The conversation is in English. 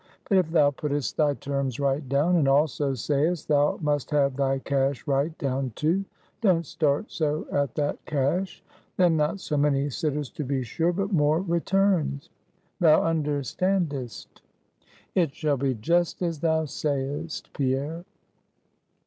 But if thou puttest thy terms right down, and also sayest thou must have thy cash right down too don't start so at that cash then not so many sitters to be sure, but more returns. Thou understandest." "It shall be just as thou say'st, Pierre."